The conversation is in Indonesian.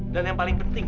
dan yang paling penting ya